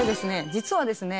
実はですね